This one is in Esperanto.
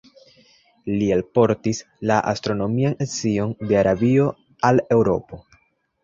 Li alportis la astronomian scion de Arabio al Eŭropo.